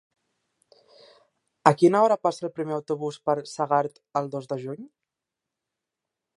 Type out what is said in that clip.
A quina hora passa el primer autobús per Segart el dos de juny?